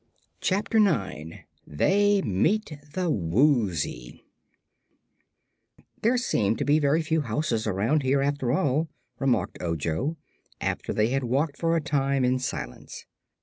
Chapter Nine They Meet the Woozy "There seem to be very few houses around here, after all," remarked Ojo, after they had walked for a time in silence.